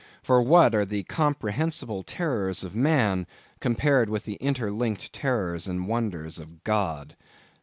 For what are the comprehensible terrors of man compared with the interlinked terrors and wonders of God!